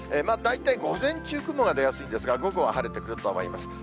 大体午前中、雲が出やすいですが、午後は晴れてくると思います。